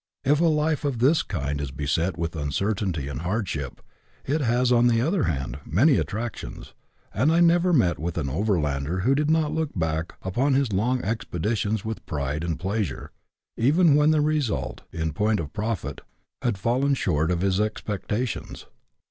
If a life of this kind is beset with uncertainty and hardship, it has, on the other hand, many attractions, and I never met with an overlander who did not look back upon his long expeditions with pride and pleasure, even when their result, in point of profit, had fallen short of his expectations.